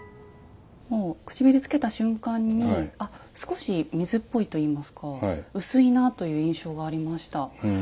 もう唇つけた瞬間にあ少し水っぽいといいますか薄いなという印象がありました。